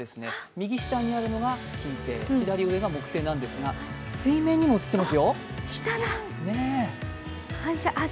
右下にあるのが金星、左上が木星なんですが、水面にも映っていますよ。